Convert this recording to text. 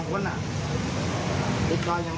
ดักควายยังรู้รับหนูจาวในบ้าน